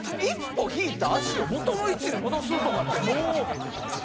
１歩引いた足を元の位置に戻すとかってもう。